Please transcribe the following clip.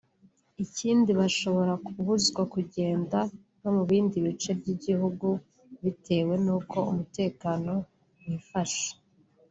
kandi bashobora kubuzwa kugenda no mu bindi bice by’igihugu bitewe n’uko umutekano wifashe